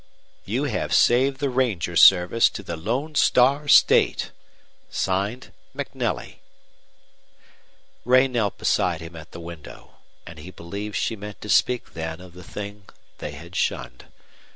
You have saved the ranger service to the Lone Star State MACNELLEY. Ray knelt beside him at the window, and he believed she meant to speak then of the thing they had shunned.